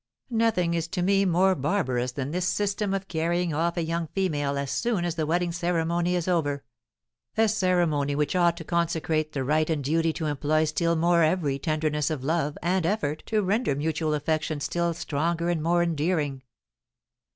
"Nothing is to me more barbarous than this system of carrying off a young female as soon as the wedding ceremony is over, a ceremony which ought to consecrate the right and duty to employ still more every tenderness of love and effort to render mutual affection still stronger and more endearing."